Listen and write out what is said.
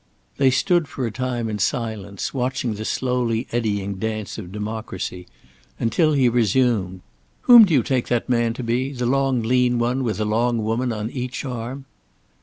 They stood for a time in silence, watching the slowly eddying dance of Democracy, until he resumed: "Whom do you take that man to be the long, lean one, with a long woman on each arm?"